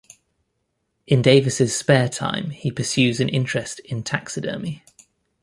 In Davis's spare time, he pursues an interest in taxidermy.